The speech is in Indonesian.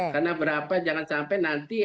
karena berapa jangan sampai nanti